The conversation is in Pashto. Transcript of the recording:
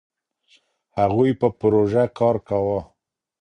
هغوی په پروژه کار کاوه.